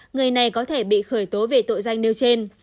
người này có thể bị khởi tố về tội danh nêu trên